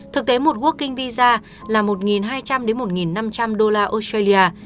thực tế một working visa là một hai trăm linh một năm trăm linh đô la australia